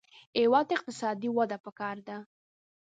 هېواد ته اقتصادي وده پکار ده